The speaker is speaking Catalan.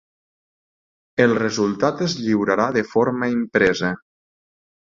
El resultat es lliurarà de forma impresa.